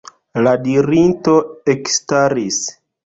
La dirinto ekstaris.